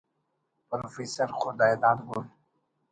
پروفیسر خداداد گل